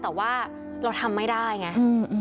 แต่ว่าเราทำไม่ได้ไง